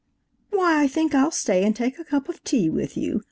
"Why, I think I'll stay and take a cup of tea with you.